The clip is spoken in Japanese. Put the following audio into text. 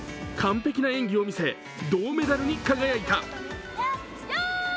完璧な演技を見せ、銅メダルに輝いた。